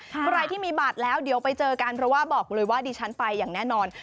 ใครที่มีบัตรแล้วเดี๋ยวไปเจอกันเพราะว่าบอกเลยว่าดิฉันไปอย่างแน่นอน